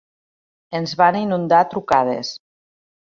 Ens van inundar a trucades.